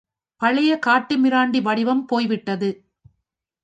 பழைய காட்டுமிராண்டி வடிவம் போய்விட்டது.